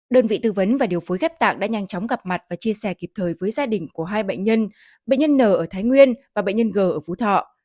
đơn vị tư vấn và điều phối ghép tạng đã nhanh chóng gặp mặt và chia sẻ kịp thời với gia đình của hai bệnh nhân bệnh nhân n ở thái nguyên và bệnh nhân g ở phú thọ